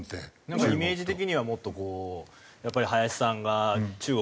なんかイメージ的にはもっとこうやっぱり林さんが中国にもパイプを持ってて。